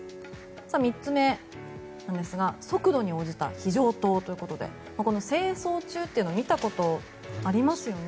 ３つ目なんですが速度に応じた非常灯ということで「清掃中」というの見たことありますよね。